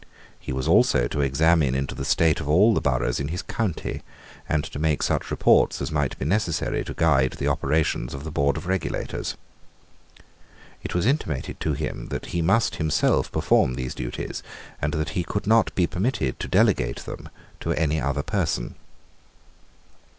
He was also to examine into the state of all the boroughs in his county, and to make such reports as might be necessary to guide the operations of the board of regulators. It was intimated to him that he must himself perform these duties, and that he could not be permitted to delegate them to any other person.